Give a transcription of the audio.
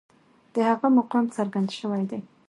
د هغه مقام څرګند شوی دی.